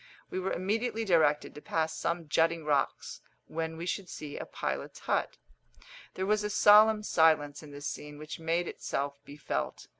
We were immediately directed to pass some jutting rocks, when we should see a pilot's hut. There was a solemn silence in this scene which made itself be felt.